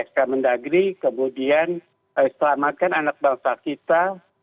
setelah itu selamatkan anak bangsa kita